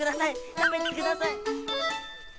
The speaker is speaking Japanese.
食べてください！